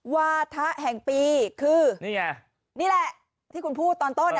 วาถะแห่งปีคือนี่ไงนี่แหละที่คุณพูดตอนต้น